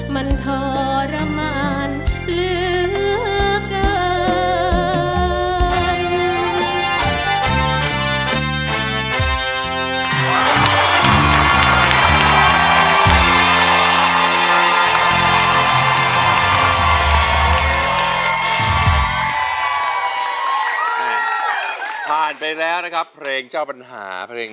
มันทรมานเหลือเกิน